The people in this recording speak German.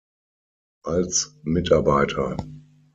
Als Mitarbeiter